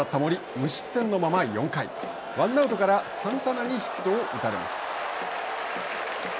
無失点のまま４回ワンアウトからサンタナにヒットを打たれます。